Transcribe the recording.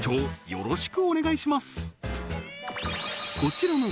よろしくお願いします